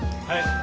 はい。